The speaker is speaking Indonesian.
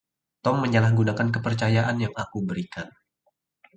Tom menyalahgunakan kepercayaan yang aku berikan.